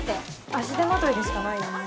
足手まといでしかないよね。